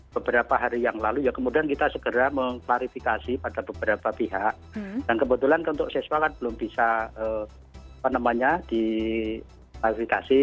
beberapa hari yang lalu ya kemudian kita segera mengklarifikasi pada beberapa pihak dan kebetulan untuk siswa kan belum bisa diklarifikasi